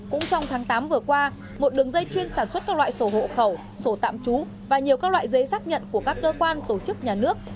cũng trong tháng tám vừa qua một đường dây chuyên sản xuất các loại sổ hộ khẩu sổ tạm trú và nhiều các loại giấy xác nhận của các cơ quan tổ chức nhà nước